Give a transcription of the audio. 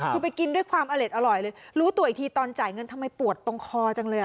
คือไปกินด้วยความอเล็ดอร่อยเลยรู้ตัวอีกทีตอนจ่ายเงินทำไมปวดตรงคอจังเลยอ่ะ